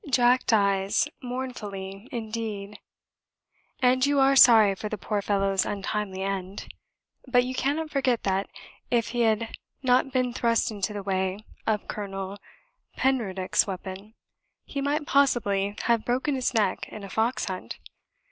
Jack dies mournfully indeed, and you are sorry for the poor fellow's untimely end; but you cannot forget that, if he had not been thrust into the way of Colonel Penruddock's weapon, he might possibly have broken his neck in a fox hunt.